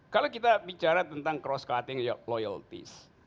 kalau kita bicara tentang cross cutting loyalties